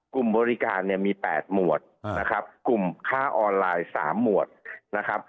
กลุ่มบริการเนี่ยมี๘หมวดนะครับกลุ่มค่าออนไลน์๓หมวดนะครับ